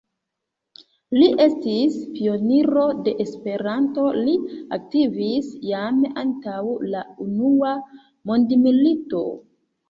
Li estis pioniro de Esperanto; li aktivis jam antaŭ la unua mondmilito.